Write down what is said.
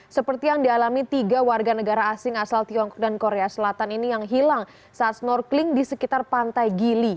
seperti yang dialami tiga warga negara asing asal tiongkok dan korea selatan ini yang hilang saat snorkeling di sekitar pantai gili